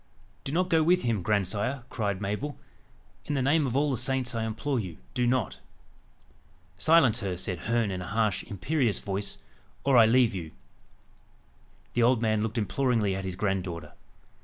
"Do not go with him, grandsire," cried Mabel. "In the name of all the saints, I implore you, do not." "Silence her!" said Herne in a harsh, imperious voice, "or I leave you." The old man looked imploringly at his granddaughter.